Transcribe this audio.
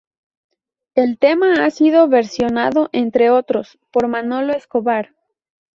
El tema ha sido versionado, entre otros, por Manolo Escobar.